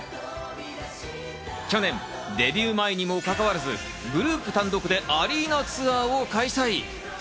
去年、デビュー前にもかかわらずグループ単独でアリーナツアーを開催。